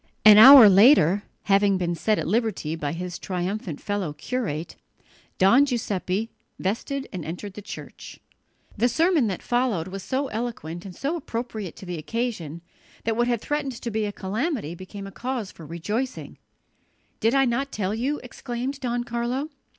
An hour later, having been set at liberty by his triumphant fellow curate, Don Giuseppe vested and entered the church. The sermon that followed was so eloquent and so appropriate to the occasion that what had threatened to be a calamity became a cause for rejoicing. "Did not I tell you?" exclaimed Don Carlo.